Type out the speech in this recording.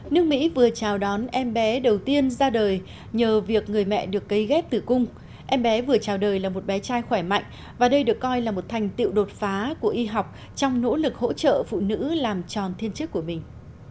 nước mỹ vừa chào đón em bé đầu tiên ra đời nhờ việc người mẹ được cấy ghép tử cung em bé vừa chào đời là một bé trai khỏe mạnh và đây được coi là một thành tựu đột phá của y học trong nỗ lực hỗ trợ phụ nữ làm tròn thiên chiếc của mình